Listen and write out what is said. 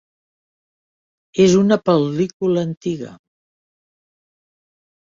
És una pel·lícula antiga.